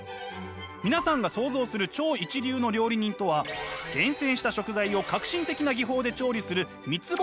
皆さんが想像する超一流の料理人とは厳選した食材を革新的な技法で調理する三つ星